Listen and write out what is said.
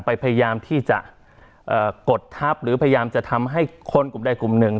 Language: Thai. พยายามที่จะกดทับหรือพยายามจะทำให้คนกลุ่มใดกลุ่มหนึ่ง